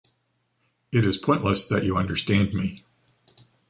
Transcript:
It is pointless that you understand me.